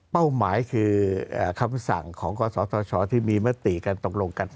เป้าหมายคือคำสั่งของกศธที่มีมติกันตรงรวมกัน